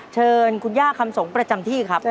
เชิญคุณย่าคำสงฆ์ประจำที่ครับ